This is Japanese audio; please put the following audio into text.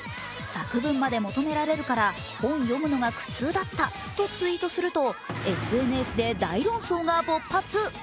作文まで求められるから本読むのが苦痛だったとツイートするとＳＮＳで大論争が勃発。